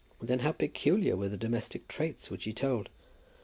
And then how peculiar were the domestic traits which he told!